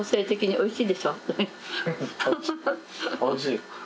おいしい。